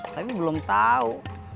tapi belum tahu